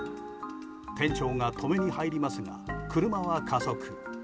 店長が止めに入りますが車は加速。